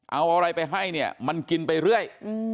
เอาอะไรไปให้เนี่ยมันกินไปเรื่อย